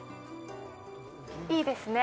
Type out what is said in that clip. いいですね。